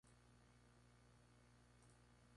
Son árboles nativos de las selvas del oeste de África.